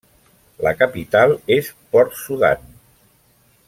La capital és Port Sudan.